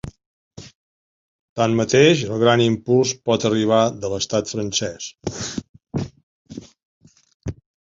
Tanmateix, el gran impuls pot arribar de l’estat francès.